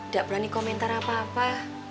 gak berani komentar apa apa